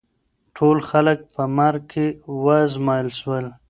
ټول خلګ په مرګ کي وازمایل سول.